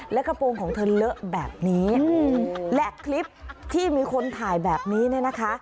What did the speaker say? และกระโปรงของเธอเลอะแบบนี้และคลิปที่มีคนถ่ายแบบนี้เนี่ยนะคะ